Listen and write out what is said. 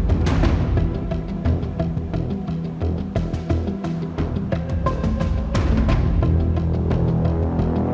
อ้าวไม่เป็นไรเก็บภาพก่อนก็ได้